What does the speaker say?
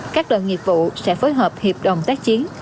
các đoàn nghiệp vụ sẽ phối hợp hiệp đồng tác chiến